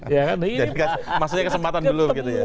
jadi maksudnya kesempatan belum gitu ya